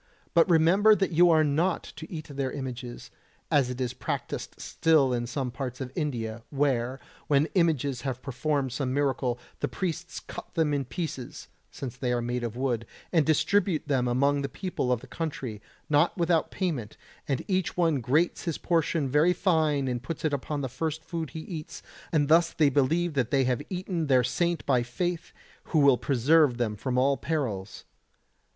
but remember that you are not to eat their images, as is practised still in some parts of India, where, when images have performed some miracle, the priests cut them in pieces (since they are of wood) and distribute them among the people of the country, not without payment, and each one grates his portion very fine and puts it upon the first food he eats; and thus they believe that they have eaten their saint by faith, who will preserve them from all perils.